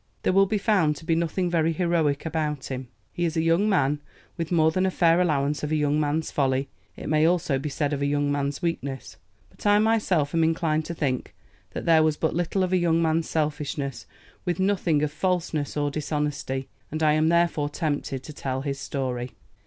There will be found to be nothing very heroic about him. He is a young man with more than a fair allowance of a young man's folly; it may also be said of a young man's weakness. But I myself am inclined to think that there was but little of a young man's selfishness, with nothing of falseness or dishonesty; and I am therefore tempted to tell his story.